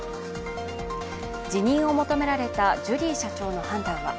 辞任を求められたジュリー社長の判断は。